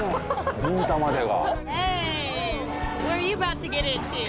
ビンタまでが。